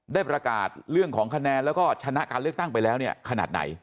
ได้ประกาศเรื่องของคะแนนแล้วก็ชนะการเลือกตั้งไปแล้วเนี่ยขนาดไหน